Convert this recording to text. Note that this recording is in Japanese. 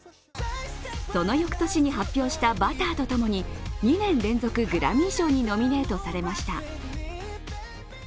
その翌年に発表した「Ｂｕｔｔｅｒ」とともに２年連続でグラミー賞にノミネートされました。